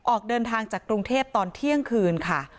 ออกเดินทางจากกรุงเทพตอนเที่ยงคืนค่ะ